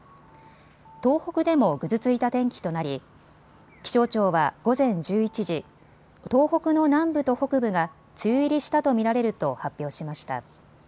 東北でもぐずついた天気となり気象庁は午前１１時、東北の南部と北部が梅雨入りしたと見られると発表しました。